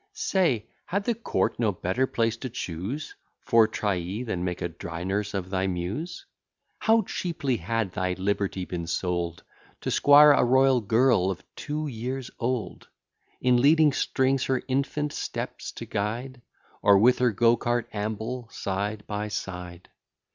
Say, had the court no better place to choose For triee, than make a dry nurse of thy Muse? How cheaply had thy liberty been sold, To squire a royal girl of two years old: In leading strings her infant steps to guide, Or with her go cart amble side by side!